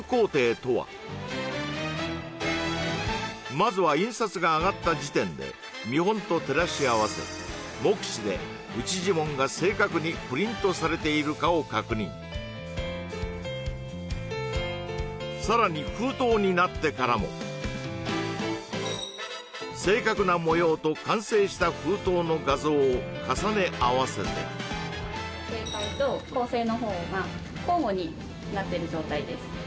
まずは印刷が上がった時点で見本と照らし合わせ目視で内地紋が正確にプリントされているかを確認さらに封筒になってからも正確な模様と完成した封筒の画像を重ね合わせて正解と校正の方が交互になってる状態です